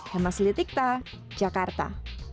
hema selitikta jakarta